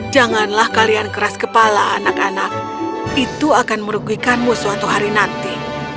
janganlah kalian keras kepala anak anak itu akan merugikanmu suatu hari nanti